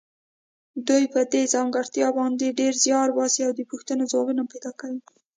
دوی په دې ځانګړتیا باندې ډېر زیار باسي او د پوښتنو ځوابونه پیدا کوي.